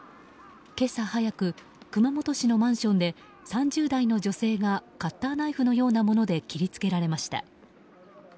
今朝早く、熊本市のマンションで３０代の女性がカッターナイフのようなもので切り付けられました。